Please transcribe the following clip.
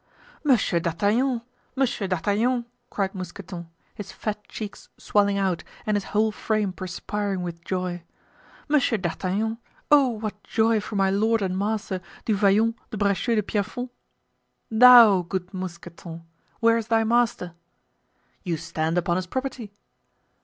"Monsieur d'Artagnan! Monsieur d'Artagnan!" cried Mousqueton, his fat cheeks swelling out and his whole frame perspiring with joy; "Monsieur d'Artagnan! oh! what joy for my lord and master, Du Vallon de Bracieux de Pierrefonds!" "Thou good Mousqueton! where is thy master?" "You stand upon his property!"